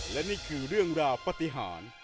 และนี่คือเรื่องราวปฏิหาร